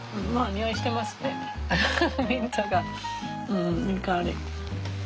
うんいい香り。